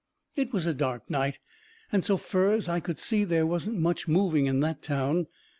It was a dark night, and so fur as I could see they wasn't much moving in that town.